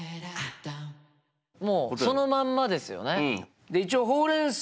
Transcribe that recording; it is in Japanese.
もうそのまんまですよね。